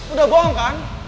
udah bohong kan